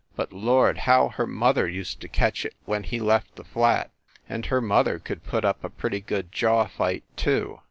But Lord, how her mother used to catch it when he left the flat! and her mother could put up a pretty good jaw fight, too.